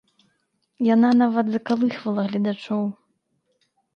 Яна нават закалыхвала гледачоў.